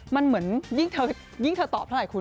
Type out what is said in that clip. มันเหมือนยิ่งเธอตอบเท่าไหรคุณ